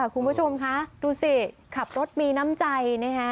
คุณผู้ชมคะดูสิขับรถมีน้ำใจนะฮะ